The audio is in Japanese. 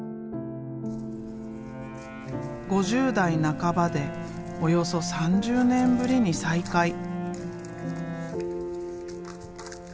５０代半ばでおよそ３０年ぶりに再開。